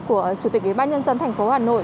của chủ tịch ủy ban nhân dân thành phố hà nội